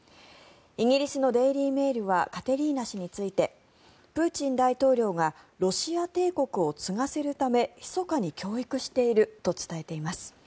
イギリスのデイリー・メールはカテリーナ氏についてプーチン大統領がロシア帝国を継がせるためひそかに教育していると伝えています。